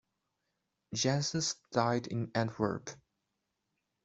Janssens died in Antwerp.